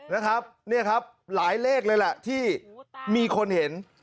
นะครับเนี่ยครับหลายเลขเลยแหละที่มีคนเห็น